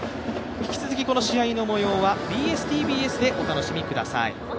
引き続きこの試合の模様はＢＳ−ＴＢＳでお楽しみください。